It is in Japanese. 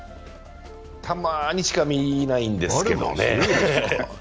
たまにしか見ないんですけど。